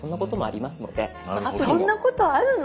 そんなことあるの？